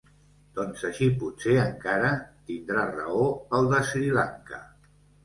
Doncs així potser encara tindrà raó el de Sri Lanka.